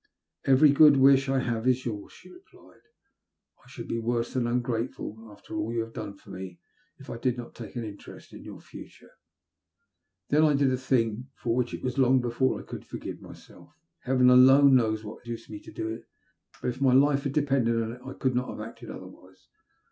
"Every good wish I have is yours," she replied. "I should be worse than ungrateful, after all you have done for me, if I did not take an interest in your tut ore." 214 THE LUST OF HATB, Then I did a thing for which it was long be!ore I could forgive myself. Heaven alone knows what induced me to do it; but if my life had depended on it I could not have acted otherwise.